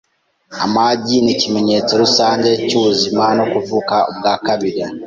Amagi nikimenyetso rusange cyubuzima no kuvuka ubwa kabiri.